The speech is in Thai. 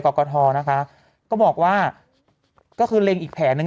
กกทนะคะก็บอกว่าก็คือเล็งอีกแผลหนึ่ง